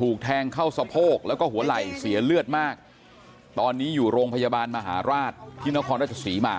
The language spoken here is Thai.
ถูกแทงเข้าสะโพกแล้วก็หัวไหล่เสียเลือดมากตอนนี้อยู่โรงพยาบาลมหาราชที่นครราชศรีมา